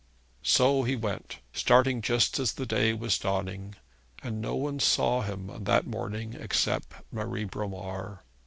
So he went, starting just as the day was dawning, and no one saw him on that morning except Marie Bromar.